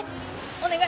お願い。